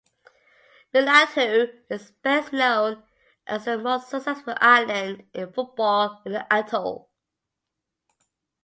Miladhoo is best known as the most successful island in football in the atoll.